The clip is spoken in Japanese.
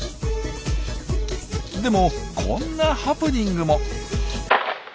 でもこんなハプニングも。